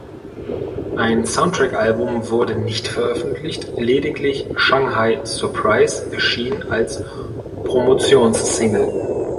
Ein Soundtrackalbum wurde nicht veröffentlicht, lediglich "Shanghai Surprise" erschien als Promotionsingle.